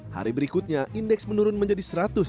hari berikutnya indeks menurun menjadi satu ratus tujuh puluh